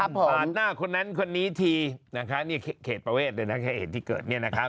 ผ่านหน้าคนนั้นคนนี้ทีเนี่ยเขตประเวทเลยนะแค่เห็นที่เกิดเนี่ยนะคะ